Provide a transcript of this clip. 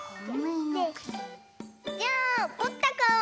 じゃんおこったかお！